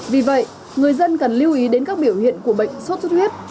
vì vậy người dân cần lưu ý đến các biểu hiện của bệnh suốt suốt huyết